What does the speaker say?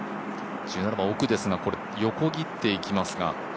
１７番、奥ですが横切っていきますか。